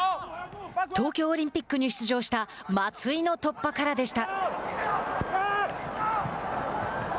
東京オリンピックに出場した松井の突破からでした。